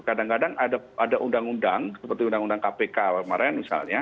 kadang kadang ada undang undang seperti undang undang kpk kemarin misalnya